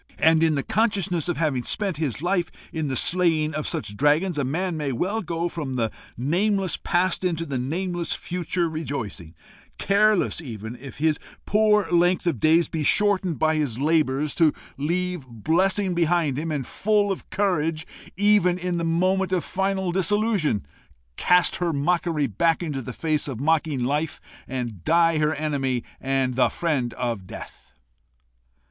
and in the consciousness of having spent his life in the slaying of such dragons, a man may well go from the nameless past into the nameless future rejoicing, careless even if his poor length of days be shortened by his labours to leave blessing behind him, and, full of courage even in the moment of final dissolution, cast her mockery back into the face of mocking Life, and die her enemy, and the friend of Death!"